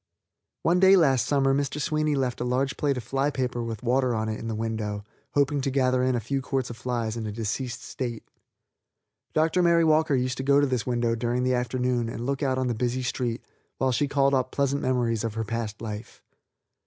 One day last summer Mr. Sweeney left a large plate of fly paper with water on it in the window, hoping to gather in a few quarts of flies in a deceased state. Dr. Mary Walker used to go to this window during the afternoon and look out on the busy street while she called up pleasant memories of her past life.